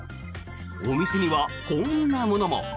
お店にはこんなものも。